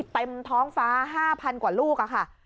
เต็มท้องฟ้า๕๐๐กว่าลูกค่ะ